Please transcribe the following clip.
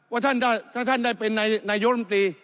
ว่าถ้าท่านได้เป็นนายกรรมตรี